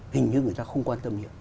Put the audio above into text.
hình như người ta không quan tâm nhiều